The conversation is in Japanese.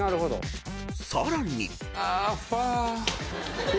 ［さらに］